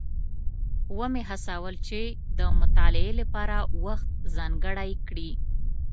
ومې هڅول چې د مطالعې لپاره وخت ځانګړی کړي.